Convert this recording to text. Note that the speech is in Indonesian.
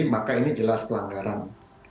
maka ini jelas pelanggaran